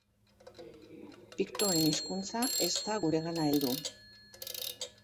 Piktoen hizkuntza ez da guregana heldu.